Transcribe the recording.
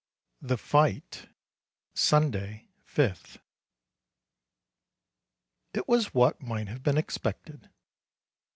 THE FIGHT Sunday, 5th. It was what might have been expected.